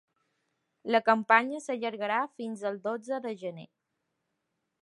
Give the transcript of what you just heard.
La campanya s’allargarà fins el dotze de gener.